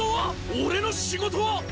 俺の仕事は？